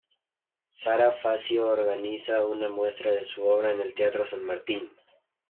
Sara Facio organiza una muestra de su obra en el Teatro San Martín.